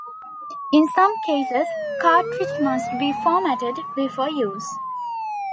In some cases a cartridge must be formatted before use.